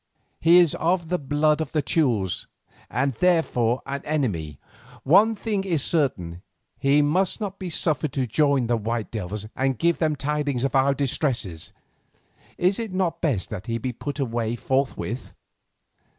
"He is of the blood of the Teules, and therefore an enemy. One thing is certain; he must not be suffered to join the white devils and give them tidings of our distresses. Is it not best that he be put away forthwith?"